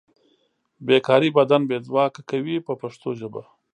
بې کاري بدن بې ځواکه کوي په پښتو ژبه.